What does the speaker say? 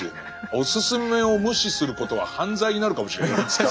おすすめを無視することは犯罪になるかもしれないいつか。